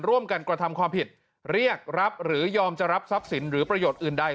ร่วมกันกระทำความผิดเรียกรับหรือยอมจะรับทรัพย์สินหรือประโยชน์อื่นใด